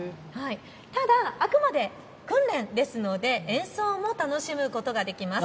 ただあくまで訓練ですので演奏も楽しむことができます。